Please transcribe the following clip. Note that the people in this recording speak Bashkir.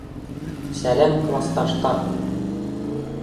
— Сәләм, класташтар!